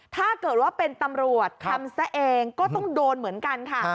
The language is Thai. ถ้าเกิดว่าเป็นตำรวจทำซะเองก็ต้องโดนเหมือนกันค่ะ